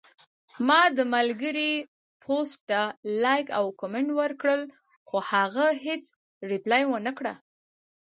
ما د ملګري پوسټ ته لایک او کمنټ ورکړل، خو هغه هیڅ ریپلی ونکړه